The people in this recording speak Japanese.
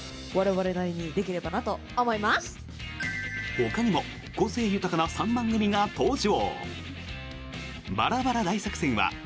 ほかにも個性豊かな３番組が登場。